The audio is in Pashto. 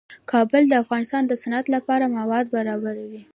کابل د افغانستان د صنعت لپاره مواد برابروي.